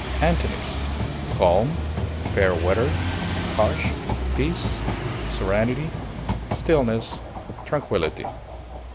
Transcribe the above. Antonyms: calm, fair weather, hush, peace, serenity, stillness, tranquillity.